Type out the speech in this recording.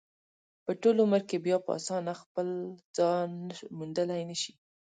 په ټول عمر کې بیا په اسانۍ خپل ځان موندلی نشي.